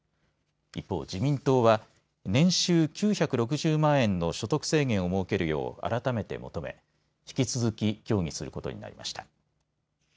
一方、自民党は年収９６０万円の所得制限を設けるよう改めて求め引き続き協議することになりました。